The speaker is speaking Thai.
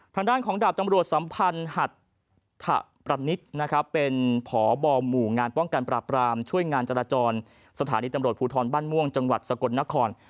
ทางด้านของดาบตำรวจสัมพันธ์หัดถประนิษฐ์นะครับเป็นพบหมู่งานป้องกันปราบรามช่วยงานจราจรสถานีตำรวจภูทรบ้านม่วงจังหวัดสกลนคร